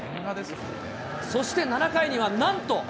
そして７回にはなんと！